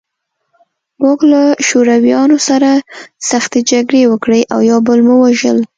موږ له شورویانو سره سختې جګړې وکړې او یو بل مو وژل